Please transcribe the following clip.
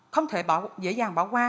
không thể dễ dàng bỏ qua